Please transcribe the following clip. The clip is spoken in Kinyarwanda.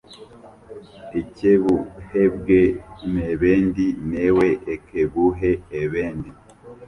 ekebuhebwe n’ebendi newe ekebuhe ebendi.